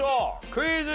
クイズ。